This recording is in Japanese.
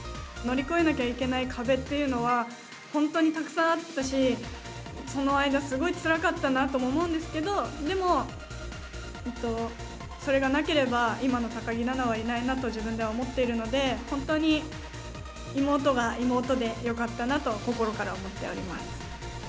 乗り越えなきゃいけない壁っていうのは、本当にたくさんあったし、その間、すごいつらかったなとも思うんですけど、でも、それがなければ今の高木菜那はいないなと自分では思っているので、本当に妹が妹でよかったなと、心から思っております。